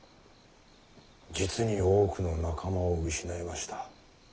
実に多くの仲間を失いました。